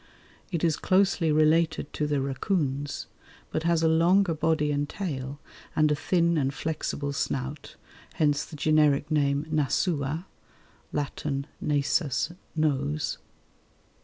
It is closely related to the racoons, but has a longer body and tail and a thin and flexible snout, hence the generic name Nasua (Latin nasus, nose).